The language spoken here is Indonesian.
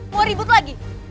mau ribut lagi